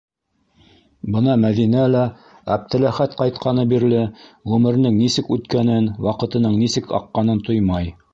Бына Мәҙинә лә Әптеләхәт ҡайтҡаны бирле ғүмеренең нисек үткәнен, ваҡытының нисек аҡҡанын тоймай.